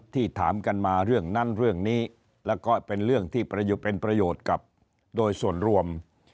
ถามกันมาเรื่องนั้นเรื่องนี้แล้วก็เป็นเรื่องที่เป็นประโยชน์กับโดยส่วนรวม